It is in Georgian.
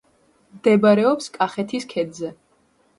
მდებარეობს კახეთის ქედზე.